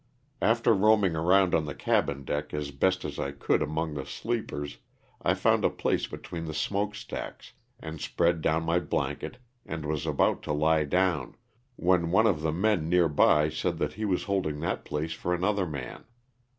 After roaming around on the cabin deck as best I could among the sleepers, I found a place between the smoke stacks, and spread down my blanket and was about to lie down, when one of the men near by said that he was holding that place for another man.